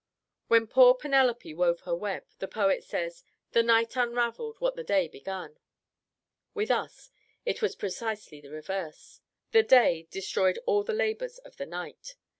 When poor Penelope wove her web, the poet says "The night unravelled what the day began." With us it was precisely the reverse: the day destroyed all the labours of the night.